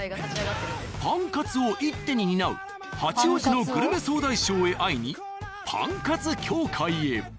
パンカツを一手に担う八王子のグルメ総大将へ会いにパンカツ協会へ。